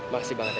makasih banget ya